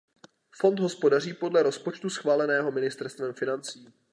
Fond hospodaří podle rozpočtu schváleného ministerstvem financí.